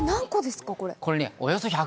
何個ですか？